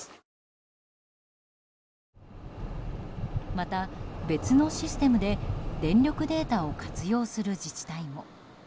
また、別のシステムで電力データを活用する自治体も。